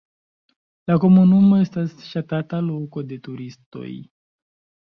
La komunumo estas ŝatata loko de turistoj.